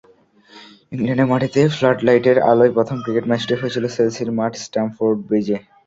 ইংল্যান্ডের মাটিতে ফ্লাডলাইটের আলোয় প্রথম ক্রিকেট ম্যাচটি হয়েছিল চেলসির মাঠ স্টামফোর্ড ব্রিজে।